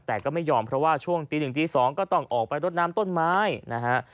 แต่ก็ไม่ยอมเพราะว่าช่วงตีหนึ่งตี๒ก็ต้องออกไปรดน้ำต้นไม้นะฮะ